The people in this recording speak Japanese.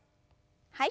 はい。